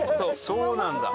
そうなんだ。